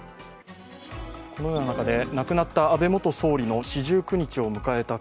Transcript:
このような中で、亡くなった安倍元総理の四十九日を迎えた